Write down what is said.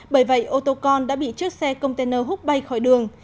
bởi vậy ô tô con đã bị chiếc xe container hút bay khỏi đường